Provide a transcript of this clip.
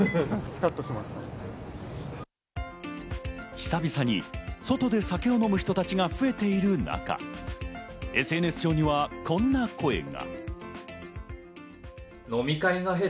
久々に外で酒を飲む人たちが増えている中、ＳＮＳ上には、こんな声が。